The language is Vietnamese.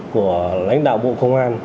của lãnh đạo bộ công an